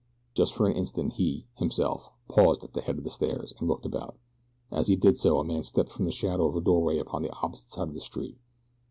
Just for an instant he, himself, paused at the head of the stairs and looked about. As he did so a man stepped from the shadow of a doorway upon the opposite side of the street.